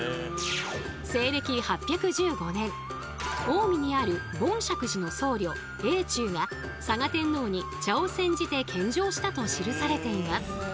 西暦８１５年近江にある梵釈寺の僧侶永忠が嵯峨天皇に茶を煎じて献上したと記されています。